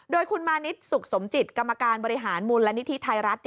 โดยคุณมานิดสุขสมจิตกรรมการบริหารมูลนิธิไทยรัฐ